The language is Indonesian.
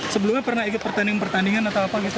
sebelumnya pernah ikut pertandingan pertandingan atau apa gitu